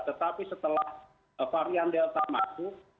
tetapi setelah varian delta masuk